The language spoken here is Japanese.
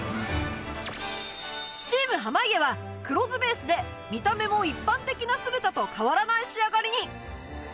チーム濱家は黒酢ベースで見た目も一般的な酢豚と変わらない仕上がりに